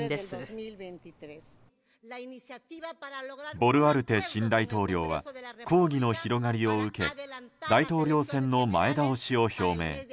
ボルアルテ新大統領は抗議の広がりを受け大統領選の前倒しを表明。